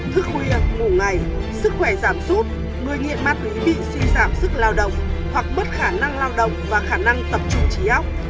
thức khuya ngủ ngày sức khỏe giảm sút người nghiện ma túy bị suy giảm sức lao động hoặc mất khả năng lao động và khả năng tập trung trí ốc